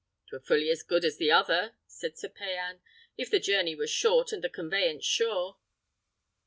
"'Twere fully as good as the other," said Sir Payan, "if the journey were short, and the conveyance sure."